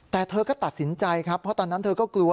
แต่เธอก็ตัดสินใจครับเพราะตอนนั้นเธอก็กลัว